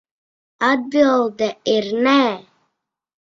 Atbilde ir nē.